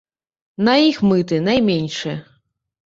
На іх мыты найменшыя.